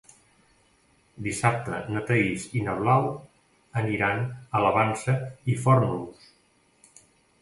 Dissabte na Thaís i na Blau aniran a la Vansa i Fórnols.